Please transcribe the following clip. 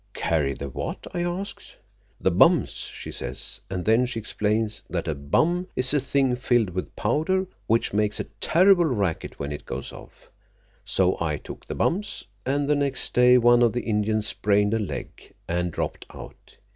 'Carry the what?' I asks. 'The bums,' she says, an' then she explains that a bum is a thing filled with powder which makes a terrible racket when it goes off. So I took the bums, and the next day one of the Indians sprained a leg, and dropped out.